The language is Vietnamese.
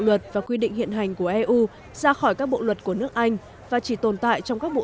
luật và quy định hiện hành của eu ra khỏi các bộ luật của nước anh và chỉ tồn tại trong các bộ